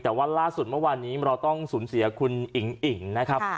แต่ว่าล่าสุดเมื่อวานนี้เราต้องสูญเสียคุณอิ๋งอิ่งนะครับ